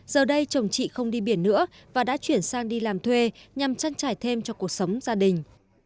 giờ đây chồng chị không đi biển nữa và đã chuyển sang đi làm thuê nhằm trang trải thêm cho cuộc sống gia đình